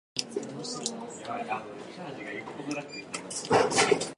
Huunyaare yini dilli yehi laartoy saare mum bee ɓikkon mum warti ɗon yino.